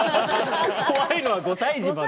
怖いのは５歳児まで。